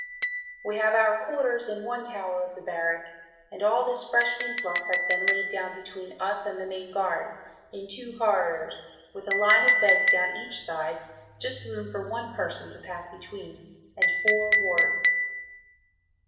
We have our Quarters in one Tower of the Barrack, and all this fresh influx has been laid down between us and the Main Guard, in two Corridors, with a line of Beds down each side, just room for one person to pass between, and four wards.